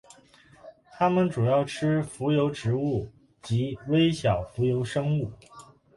它们主要吃浮游植物及微小浮游生物。